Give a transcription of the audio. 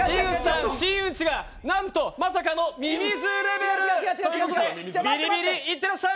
真打ちがまさかのミミズレベルということでビリビリいってらっしゃい！